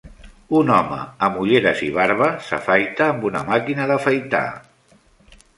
Un home amb ulleres i barba s'afaita amb una màquina d'afaitar.